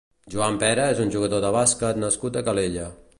Joan Pera és un jugador de bàsquet nascut a Calella.